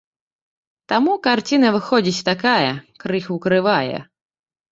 Таму карціна выходзіць такая, крыху крывая.